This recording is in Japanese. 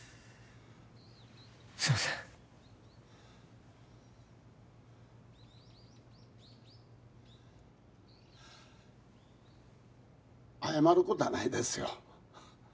すいません謝ることはないですよ